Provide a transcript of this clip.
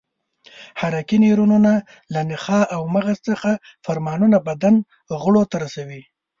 حرکي نیورونونه له نخاع او مغز څخه فرمانونه بدن غړو ته رسوي.